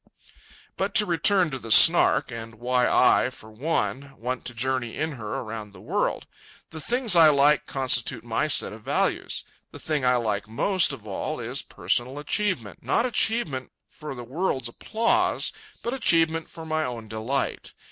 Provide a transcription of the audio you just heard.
But to return to the Snark, and why I, for one, want to journey in her around the world. The things I like constitute my set of values. The thing I like most of all is personal achievement—not achievement for the world's applause, but achievement for my own delight.